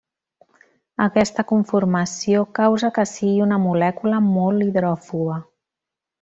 Aquesta conformació causa que sigui una molècula molt hidròfoba.